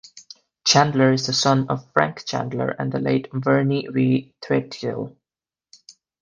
Chandler is the son of Frank Chandler and the late Vernie Re Threadgill.